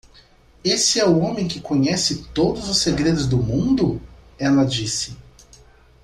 "Esse é o homem que conhece todos os segredos do mundo?" ela disse.